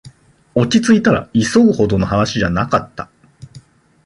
落ちついたら、急ぐほどの話じゃなかった